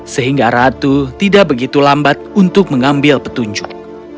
sehingga ratu tidak begitu lambat untuk mengambil petunjuk